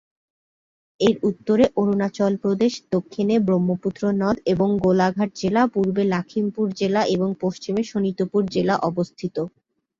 এর উত্তরে অরুণাচল প্রদেশ দক্ষিণে ব্রহ্মপুত্র নদ এবং গোলাঘাট জেলা, পূর্বে লখিমপুর জেলা এবং পশ্চিমে শোণিতপুর জেলা অবস্থিত।